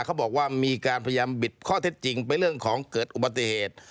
เขาบอกว่ามีการพยายามบิดข้อเท็จจริงไปเรื่องของเกิดอุบัติเหตุ